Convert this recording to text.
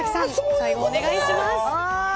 最後お願いします。